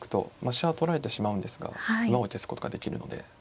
飛車を取られてしまうんですが馬を消すことができるので。